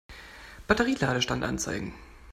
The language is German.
Batterie-Ladestand anzeigen.